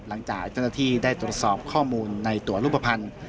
หลังจากเจ้าหน้าที่ได้ตรวจสอบข้อมูลในตัวรูปภัณฑ์